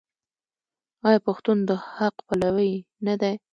آیا پښتون د حق پلوی نه دی؟